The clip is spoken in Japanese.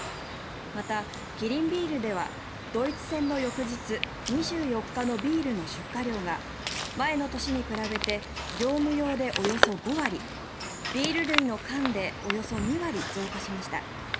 またキリンビールではドイツ戦の翌日、２４日のビールの出荷量が前の年に比べて業務用でおよそ５割ビール類の缶でおよそ２割増加しました。